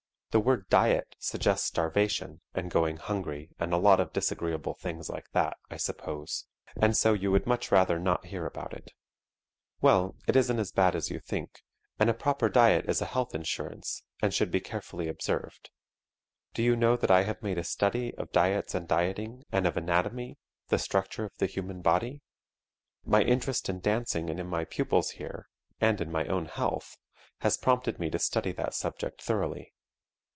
The word "diet" suggests starvation and going hungry and a lot of disagreeable things like that, I suppose, and so you would much rather not hear about it. Well, it isn't as bad as you think, and a proper diet is a health insurance, and should be carefully observed. Do you know that I have made a study of diets and dieting, and of anatomy the structure of the human body? My interest in dancing and in my pupils here and in my own health has prompted me to study that subject thoroughly.